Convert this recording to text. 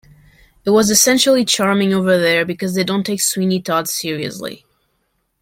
It was essentially charming over there because they don't take Sweeney Todd seriously.